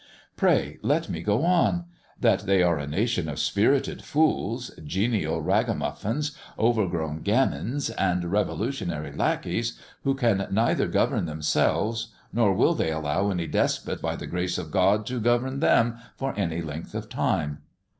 Pray let me go on. That they are a nation of spirited fools, genial ragamuffins, overgrown gamins, and revolutionary lacqueys, who can neither govern themselves, nor will they allow any despot 'by the grace of God' to govern them for any length of time."